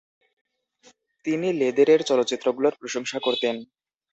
তিনি লেঁদেরের চলচ্চিত্রগুলোর প্রশংসা করতেন।